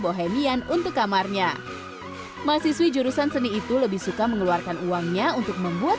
bohemian untuk kamarnya mahasiswi jurusan seni itu lebih suka mengeluarkan uangnya untuk membuat